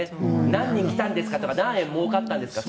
何人来たんですかとか何円もうかったんですかとか。